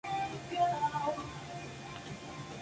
Actualmente compite para el equipo Minsk Cycling Club.